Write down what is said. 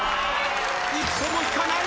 一歩も引かない！